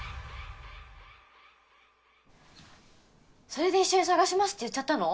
それで一緒に探しますって言っちゃったの？